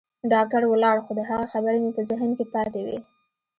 ډاکتر ولاړ خو د هغه خبرې مې په ذهن کښې پاتې وې.